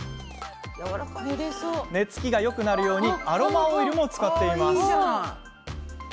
寝つきがよくなるようにアロマオイルも使っています。